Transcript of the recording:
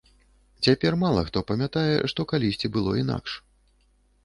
Цяпер мала хто памятае, што калісьці было інакш.